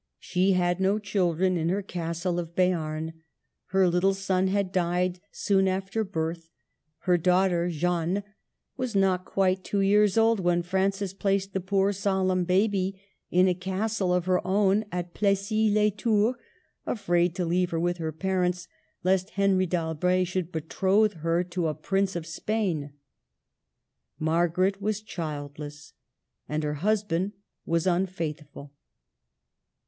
She had no children in her Castles of Beam. Her little son had died soon after birth ; her daughter, Jeanne, was not quite two years old when Francis placed the poor solemn baby in a castle of her own at Plessis les Tours, afraid to leave her with her parents lest Henry d'Albret should betroth her to a prince of Spain. Mar garet was childless, and her husband was un faithful.